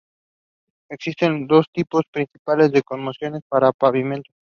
Existen dos tipos principales de composiciones para pavimentos.